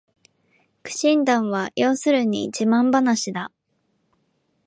苦心談は要するに自慢ばなしだ